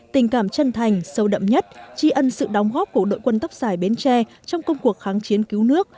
tình cảm chân thành sâu đậm nhất chi ân sự đóng góp của đội quân tóc dài bến tre trong công cuộc kháng chiến cứu nước